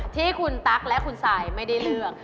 ที่คุณตั๊กและคุณซายไม่ได้เลือก